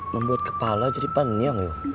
membuat kepala jadi panjang